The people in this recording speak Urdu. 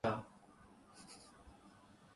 مستقل کیمپ لگا لیا تھا